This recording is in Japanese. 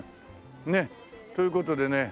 ねえという事でね